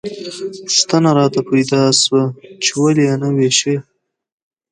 پوښتنه راته پیدا شوه چې ولې یې نه ویشي.